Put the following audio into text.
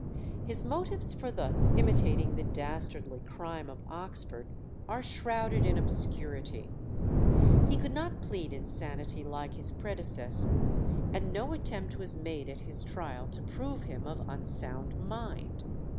His motives for thus imitating the dastardly crime of Oxford are shrouded in obscurity. He could not plead insanity like his predecessor, and no attempt was made at his trial to prove him of unsound mind.